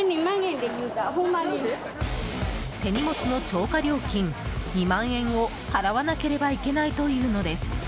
手荷物の超過料金２万円を払わなければいけないというのです。